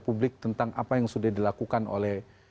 publik tentang apa yang sudah dilakukan oleh